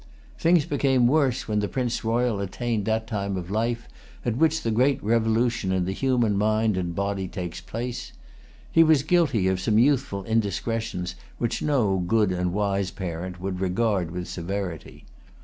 Things became worse when the Prince Royal attained that time of life at which the great revolution in the human mind and body takes place. He was guilty of some youthful indiscretions, which no good and wise parent would regard with severity.